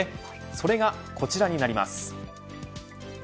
それがこちらになります。